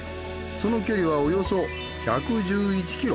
その距離はおよそ１１１ｋｍ。